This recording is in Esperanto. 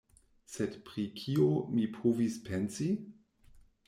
Sed pri kio mi povis pensi?